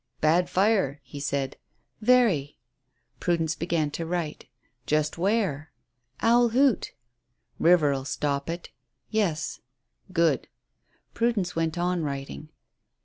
"Bad fire," he said. "Very." Prudence began to write. "Just where?" "Owl Hoot." "River'll stop it" "Yes." "Good." Prudence went on writing.